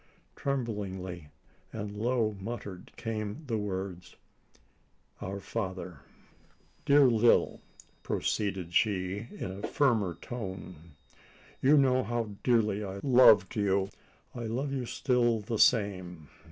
Tremblingly and low muttered came the words: "Our father !" "Dear Lil!" proceeded she in a firmer tone, "you know how dearly I loved you? I love you still the same.